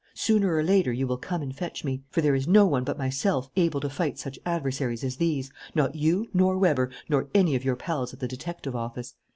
Sooner or later, you will come and fetch me. For there is no one but myself able to fight such adversaries as these: not you nor Weber, nor any of your pals at the detective office.